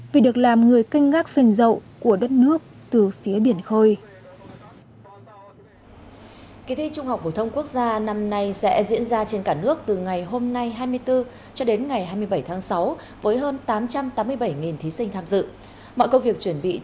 vì được làm người canh ngác phênh dậu của đất nước từ phía biển khôi